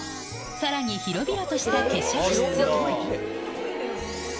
さらに、広々とした化粧室。